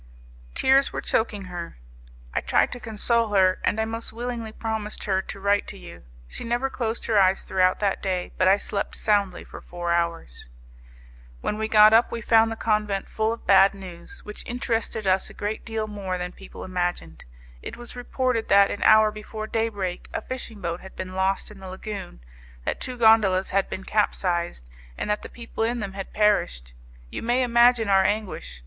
"Tears were choking her. I tried to console her, and I most willingly promised her to write to you. She never closed her eyes throughout that day, but I slept soundly for four hours. "When we got up we found the convent full of bad news, which interested us a great deal more than people imagined. It was reported that, an hour before daybreak, a fishing boat had been lost in the lagune, that two gondolas had been capsized, and that the people in them had perished. You may imagine our anguish!